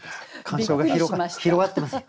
鑑賞が広がってます。